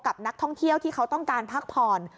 กับนักท่องเที่ยวที่เขาต้องการพักผ่อน